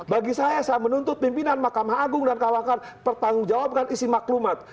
bagi saya saya menuntut pimpinan mahkamah agung dan kahwakan bertanggungjawaban isi maklumat